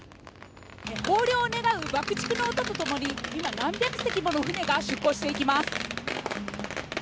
豊漁を願う爆竹の音とともに、今、何百隻もの船が出港していきます。